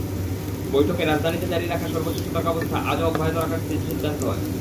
বৈঠকে রাজধানীতে জারি রাখা সর্বোচ্চ সতর্কাবস্থা আজও অব্যাহত রাখার সিদ্ধান্ত হয়।